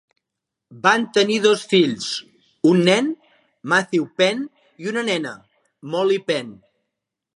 Van tenir dos fills, un nen, Matthew Penn i una nena, Molly Penn.